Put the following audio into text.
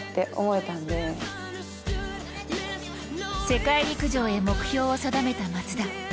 世界陸上へ目標を定めた松田。